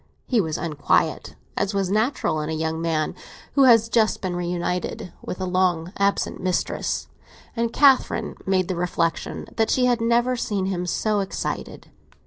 He was unquiet, as was natural in a young man who has just been reunited to a long absent mistress, and Catherine made the reflexion that she had never seen him so excited.